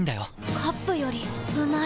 カップよりうまい